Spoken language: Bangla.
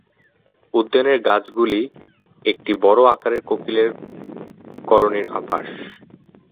উদ্যানের গাছগুলি একটি বড় আকারের কোকিলের কলোনির আবাস।